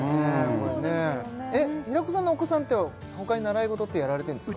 これね平子さんのお子さんって他に習い事ってやられてるんですか？